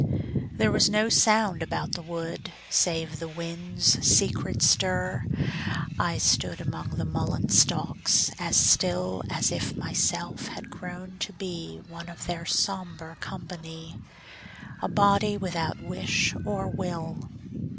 There was no sound about the wood Save the wind's secret stir. I stood Among the mullein stalks as still As if myself had grown to be One of their sombre company, A body without wish or will.